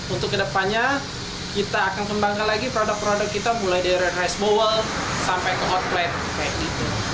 untuk kedepannya kita akan kembangkan lagi produk produk kita mulai dari rice bowl sampai ke hot plate